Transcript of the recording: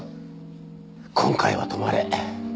今回は止まれ。